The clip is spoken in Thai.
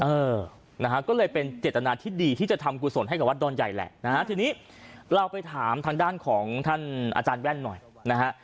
เออนะฮะก็เลยเป็นเจตนาที่ดีที่จะทำกุศลให้กับวัดดอนใหญ่แหละนะฮะทีนี้เราไปถามทางด้านของท่านอาจารย์แว่นหน่อยนะฮะ